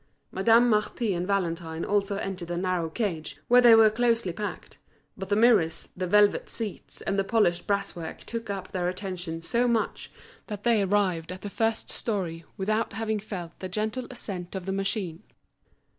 Madame Marty and Valentine also entered the narrow cage, where they were closely packed; but the mirrors, the velvet seats, and the polished brasswork took up their attention so much that they arrived at the first storey without having felt the gentle ascent of the machine.